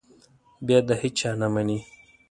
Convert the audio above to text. بیا د هېچا نه مني.